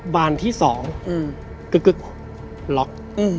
บานที่๒กึ๊กล็อก